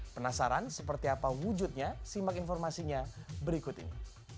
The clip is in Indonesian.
penasaran seperti apa wujudnya simak informasinya berikut ini